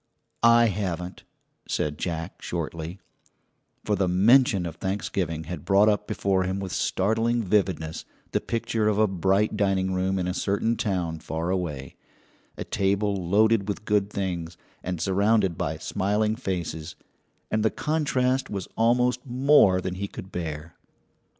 "I haven't," said Jack shortly; for the mention of Thanksgiving had brought up before him with startling vividness the picture of a bright dining room in a certain town far away, a table loaded with good things, and surrounded by smiling faces, and the contrast was almost more than he could bear.